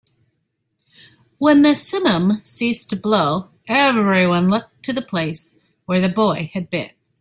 When the simum ceased to blow, everyone looked to the place where the boy had been.